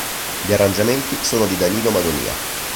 Gli arrangiamenti sono di Danilo Madonia.